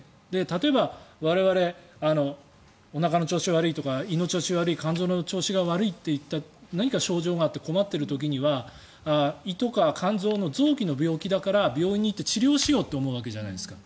例えば我々、おなかの調子が悪いとか胃の調子が悪い肝臓の調子が悪い何か症状があって困っている時には胃とか肝臓の臓器の病気だから病院に行って治療しようと思うじゃないですか。